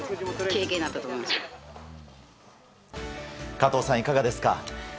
加藤さん、いかがですか？